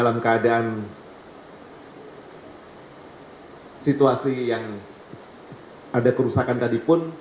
dalam keadaan situasi yang ada kerusakan tadi pun